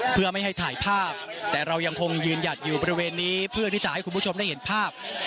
เพื่อไม่ให้ถ่ายภาพแต่เรายังคงยืนหยัดอยู่บริเวณนี้เพื่อที่จะให้คุณผู้ชมได้เห็นภาพ